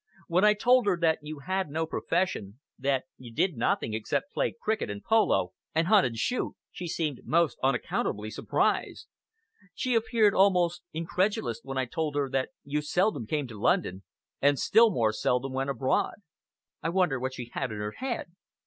When I told her that you had no profession, that you did nothing except play cricket and polo, and hunt and shoot, she seemed most unaccountably surprised. She appeared almost incredulous when I told her that you seldom came to London, and still more seldom went abroad. I wonder what she had in her head?"